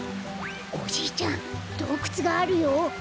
おじいちゃんどうくつがあるよ。